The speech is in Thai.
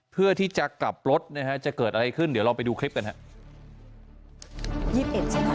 เพื่อที่จะกลับรถนะฮะจะเกิดอะไรขึ้นเดี๋ยวเราไปดูคลิปกันครับ